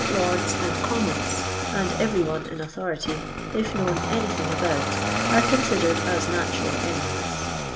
Lords, and Coiomons, and every one in authority, if known anything about, are con i«ifl>T"d a4 iiHturai enemit:8.